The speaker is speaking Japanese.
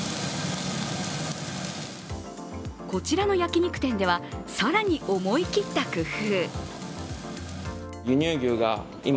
こちらの焼き肉店では更に思い切った工夫。